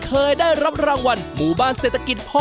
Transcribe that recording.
เคยได้รับรางวัลหมู่บ้านเศรษฐกิจพ่อ